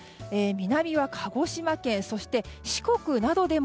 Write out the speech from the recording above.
南は鹿児島県そして四国などでも